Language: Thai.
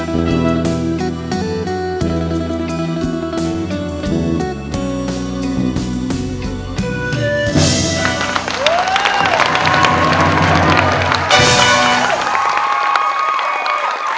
สวัสดีครับทุกคน